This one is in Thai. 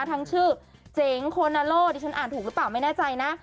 ทั้งชื่อเจ๋งโคนาโล่ดิฉันอ่านถูกหรือเปล่าไม่แน่ใจนะ